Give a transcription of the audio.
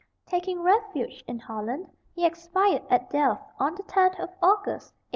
Taking refuge in Holland, he expired at Delft, on the 10th of August, 1845.